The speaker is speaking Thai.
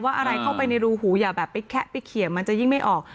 อะไรเข้าไปในรูหูอย่าแบบไปแคะไปเขียงมันจะยิ่งไม่ออก